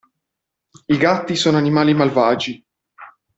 I gatti sono animali malvagi.